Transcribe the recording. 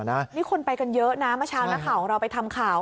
นี่คนไปกันเยอะนะเมื่อเช้านักข่าวของเราไปทำข่าว